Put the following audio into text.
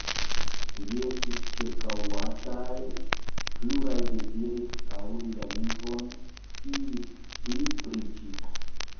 Ili estis ĉirkaŭataj, pluraj deziris aŭdi la lingvon, scii pli pri ĝi.